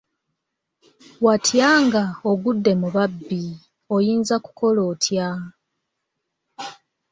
Watya nga ogudde mu babbi, oyinza kukola otya?